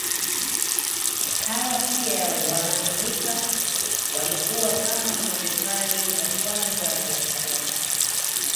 Hawa pia wanaaminika walikuwa kama mabepari wa kwanza wa kijadi